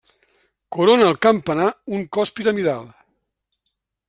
Corona el campanar un cos piramidal.